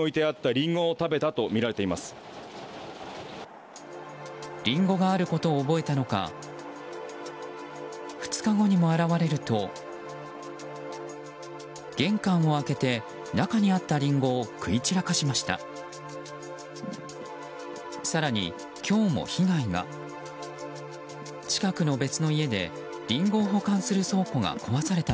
リンゴがあることを覚えたのか２日後にも現れると玄関を開けて中にあったリンゴを食い散らかしました。